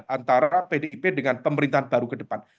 antara pdip dengan pemerintahan baru ke depan